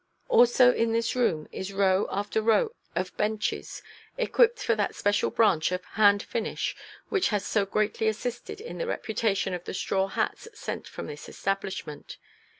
Also in this room is row after row of benches, equipped for that special branch of "hand finish," which has so greatly assisted in the reputation of the straw hats sent from this establishment.